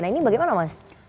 nah ini bagaimana mas